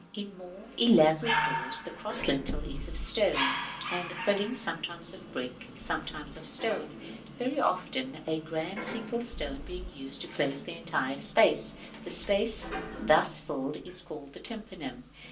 In more elaborate doors the cross lintel is of stone, and the filling sometimes of brick, sometimes of stone, very often a grand single stone being used to close the entire space: the space thus filled is called the Tympanum.